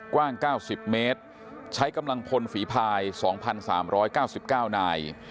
กว้างเก้าสิบเมตรใช้กำลังพลฝีพายสองพันสามร้อยเก้าสิบเก้านาย